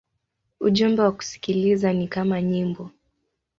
Ujumbe wa kusikiliza ni kama nyimbo.